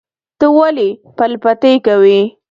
ته ولې پل پتی کوې؟